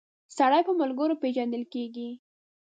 سړی په ملګرو پيژندل کیږی